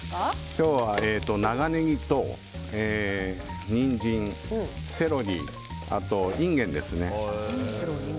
今日は長ネギとニンジンセロリあとインゲンですね。